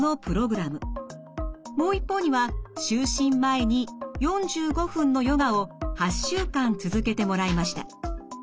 もう一方には就寝前に４５分のヨガを８週間続けてもらいました。